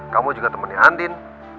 kamu juga temennya andin